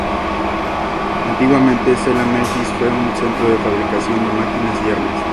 Antiguamente Zella-Mehlis fue un centro de fabricación de máquinas y armas.